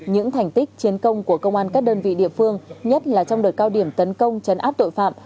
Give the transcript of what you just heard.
những thành tích chiến công của công an các đơn vị địa phương nhất là trong đợt cao điểm tấn công chấn áp tội phạm